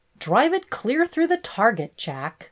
"Drive it clear through the target. Jack!"